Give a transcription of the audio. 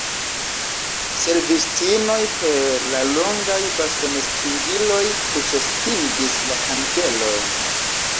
Servistinoj per la longaj bastonestingiloj puŝestingis la kandelojn.